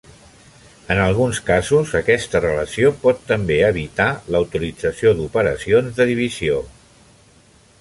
En alguns casos aquesta relació pot també evitar la utilització d'operacions de divisió.